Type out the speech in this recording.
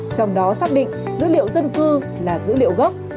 trong đó xác định dữ liệu dân cư là dữ liệu gốc